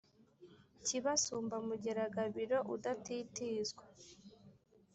kibasumba mukera gabiro udatitizwa